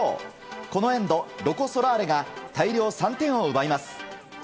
このエンド、ロコ・ソラーレが大量３点を奪います。